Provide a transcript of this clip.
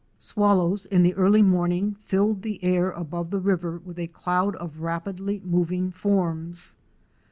Swallows in the early morning filled the air above the river with a cloud of rapidly moving forms.